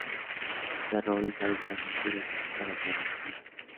Aterroriza a los pasajeros y quita las ganas de volar.